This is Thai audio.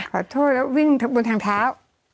ขอโทษแล้ววิ่งบนทางเท้า